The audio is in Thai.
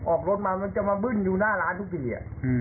ออกรถมามันจะมาบึ้นอยู่หน้าร้านทุกที